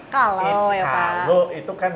kalau itu kan